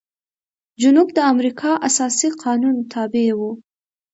جنوب د امریکا اساسي قانون تابع و.